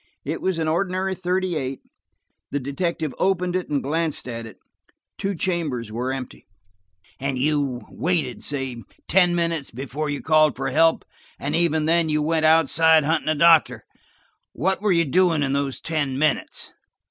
It was an ordinary thirty eight. The detective opened it and glanced at it. Two chambers were empty. "And you waited–say ten minutes, before you called for help, and even then you went outside hunting a doctor! What were you doing in those ten minutes